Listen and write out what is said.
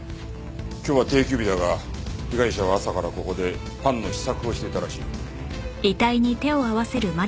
今日は定休日だが被害者は朝からここでパンの試作をしていたらしい。